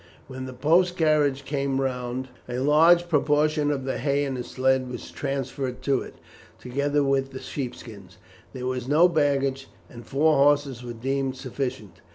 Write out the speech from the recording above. When the post carriage came round, a large proportion of the hay in the sledge was transferred to it, together with the sheep skins. There was no luggage, and four horses were deemed sufficient.